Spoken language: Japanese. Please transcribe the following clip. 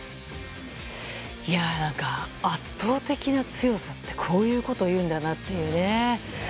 圧倒的な強さってこういうことを言うんだなっていうね。